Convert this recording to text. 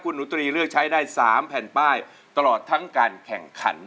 หนูตรีเลือกใช้ได้๓แผ่นป้ายตลอดทั้งการแข่งขัน